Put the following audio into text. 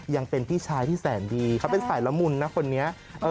ยังเป็นพี่ชายที่แสนดีเขาเป็นสายละมุนนะคนนี้